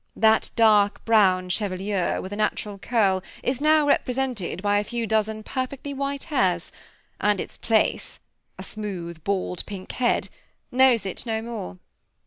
That dark brown chevelure, with a natural curl, is now represented by a few dozen perfectly white hairs, and its place a smooth, bald, pink head knows it no more.